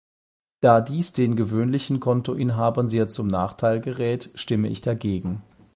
Da dies den gewöhnlichen Kontoinhabern sehr zum Nachteil gerät, stimme ich dagegen.